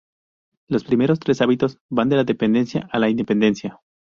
Los primeros tres hábitos van de la dependencia a la independencia.